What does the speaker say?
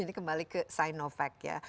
ini kembali ke sinovac ya